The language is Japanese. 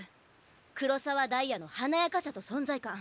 黒澤ダイヤの華やかさと存在感。